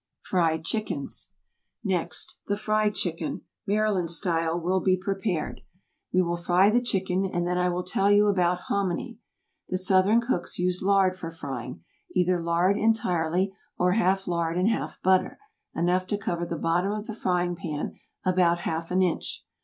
FRIED CHICKENS. Next the fried chicken, Maryland style, will be prepared. We will fry the chicken, and then I will tell you about hominy. The Southern cooks use lard for frying, either lard entirely or half lard and half butter; enough to cover the bottom of the frying pan about half an inch.